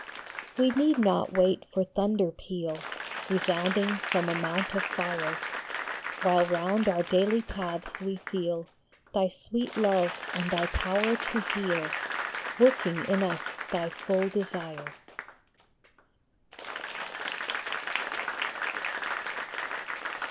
We need not wait for thunder peal Resounding from a mount of fire, While round our daily paths we feel Thy sweet love and thy power to heal, Working in us thy full desire.